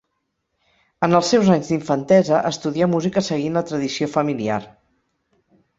En els seus anys d'infantesa estudià música seguint la tradició familiar.